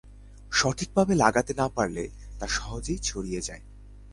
সঠিকভাবে লাগাতে না পারলে তা সহজেই ছড়িয়ে যায়।